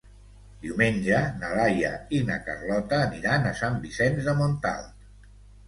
Diumenge na Laia i na Carlota aniran a Sant Vicenç de Montalt.